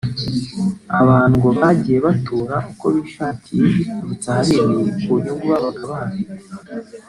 Abantu ngo bagiye batura uko bishakiye biturutse ahanini ku nyungu babaga bahafite